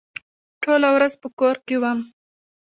ټوله ورځ په کور کې وم.